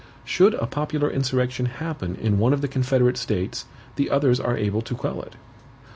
"Should a popular insurrection happen in one of the confederate states the others are able to quell it.